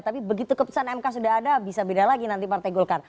tapi begitu keputusan mk sudah ada bisa beda lagi nanti partai golkar